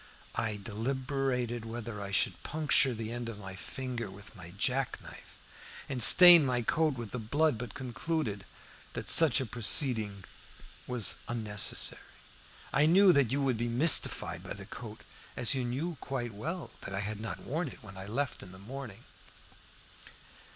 I deliberated whether I should puncture the end of my finger with my jack knife and stain my coat with the blood, but concluded that such a proceeding was unnecessary. I knew that you would be mystified by the coat as you knew quite well that I had not worn it when I left home in the morning.